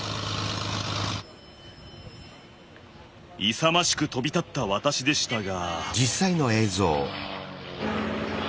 勇ましく飛び立った私でしたが。